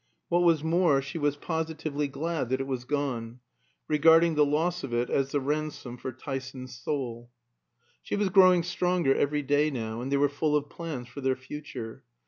What was more, she was positively glad that it was gone, regarding the loss of it as the ransom for Tyson's soul. She was growing stronger every day now, and they were full of plans for their future.